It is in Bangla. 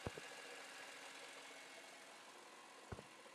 এখন আপনাকে এ চিঠি মিথ্যা দেখাচ্ছেন– আপনরা যা হয় করুন।